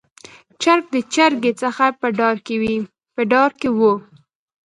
چرګ د چرګې څخه په ډار کې و.